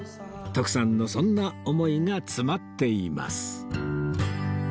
徳さんのそんな思いが詰まっています